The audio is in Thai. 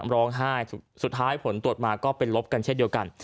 ร้องไห้สุดท้ายผลตรวจมาก็เป็นลบกันเช่นเดียวกัน